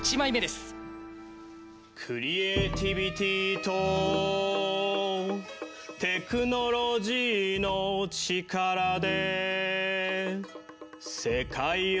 クリエイティビティとテクノロジーの力で。